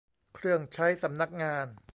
เครื่องใช้สำนักงาน